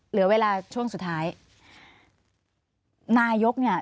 เหลือเวลาช่วงสุดท้าย